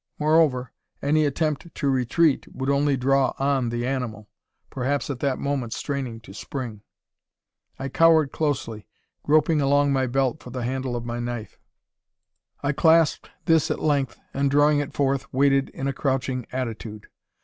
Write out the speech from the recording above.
Moreover, any attempt to retreat would only draw on the animal, perhaps at that moment straining to spring. I cowered closely, groping along my belt for the handle of my knife. I clasped this at length, and drawing it forth, waited in a crouching attitude.